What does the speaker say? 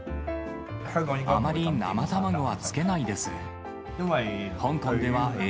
あまり生卵はつけないです。